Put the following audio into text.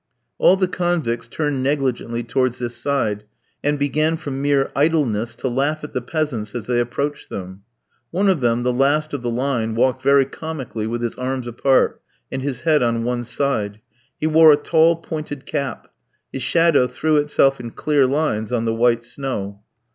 All the convicts turned negligently towards this side, and began from mere idleness to laugh at the peasants as they approached them. One of them, the last of the line, walked very comically with his arms apart, and his head on one side. He wore a tall pointed cap. His shadow threw itself in clear lines on the white snow.